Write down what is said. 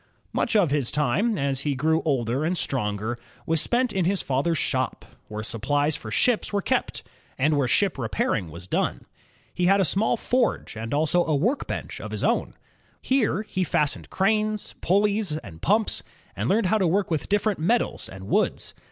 '' Much of his time, as he grew older and stronger, was spent in his father's shop, where supplies for ships were kept, and where ship repairing was done. He had a small forge and also a workbench of his own. Here he fash ioned cranes, pulleys, and pumps, and learned to work with different metals and woods.